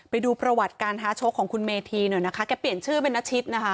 ไปดูประวัติการท้าชกของคุณเมธีหน่อยนะคะแกเปลี่ยนชื่อเป็นนชิตนะคะ